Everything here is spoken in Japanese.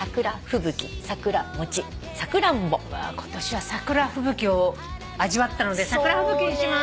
今年は桜吹雪を味わったので「桜吹雪」にします。